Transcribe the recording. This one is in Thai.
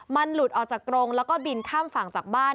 มันหลุดออกจากกรงแล้วก็บินข้ามฝั่งจากบ้าน